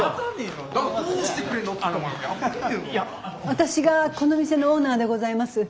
私がこの店のオーナーでございます。